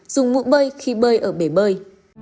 dùng mụn bơi khi bơi ở bể bơi